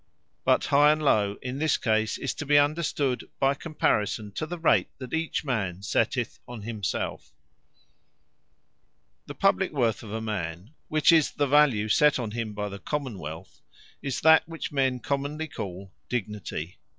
But high, and low, in this case, is to be understood by comparison to the rate that each man setteth on himselfe. Dignity The publique worth of a man, which is the Value set on him by the Common wealth, is that which men commonly call DIGNITY.